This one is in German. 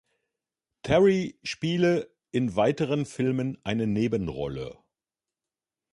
Terry spiele in weiteren Filmen eine Nebenrolle.